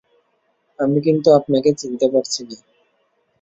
আমি কিন্তু আপনাকে চিনতে পারছি না।